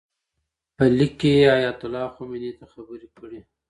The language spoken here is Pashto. په لیک کې یې ایتالله خمیني ته خبرې کړي.